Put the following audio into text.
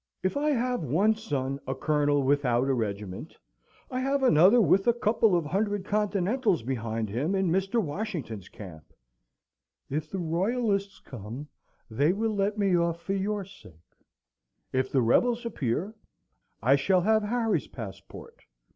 If I have one son a colonel without a regiment, I have another with a couple of hundred Continentals behind him in Mr. Washington's camp. If the Royalists come, they will let me off for your sake; if the rebels appear, I shall have Harry's passport.